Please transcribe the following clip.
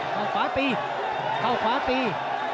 เข้าขวาตีเข้าขวาตี